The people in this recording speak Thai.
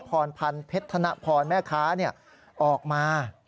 พรพันธ์เพชรธนพรแม่ค้าออกมา